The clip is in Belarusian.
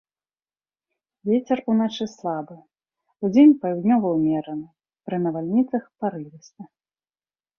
Вецер уночы слабы, удзень паўднёвы ўмераны, пры навальніцах парывісты.